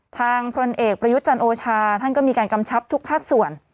ทางพลนเอกประยุจันโอชาท่านก็มีการกำชับทุกภาคส่วน